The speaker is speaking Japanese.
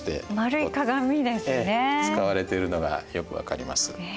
使われてるのがよく分かります。